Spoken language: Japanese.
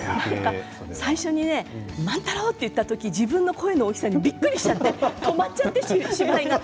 最初に万太郎！って言った時に自分の声の大きさにびっくりして止まっちゃって芝居が。